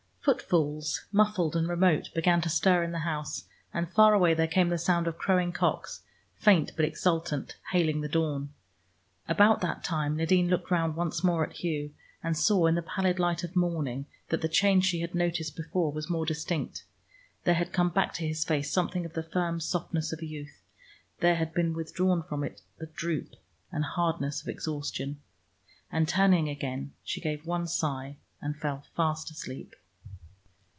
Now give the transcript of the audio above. Footfalls, muffled and remote, began to stir in the house, and far away there came the sound of crowing cocks, faint but exultant, hailing the dawn. About that time, Nadine looked round once more at Hugh, and saw in the pallid light of morning that the change she had noticed before was more distinct. There had come back to his face something of the firm softness of youth, there had been withdrawn from it the droop and hardness of exhaustion. And turning again, she gave one sigh and fell fast asleep.